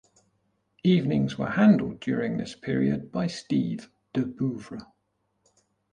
Evenings were handled during this period by Steve DeBouvre.